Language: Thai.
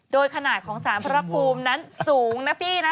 โดยขนาดของสารพระภูมินั้นสูงนะพี่นะ